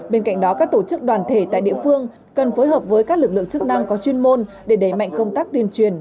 bên cạnh đó các tổ chức đoàn thể tại địa phương cần phối hợp với các lực lượng chức năng có chuyên môn để đẩy mạnh công tác tuyên truyền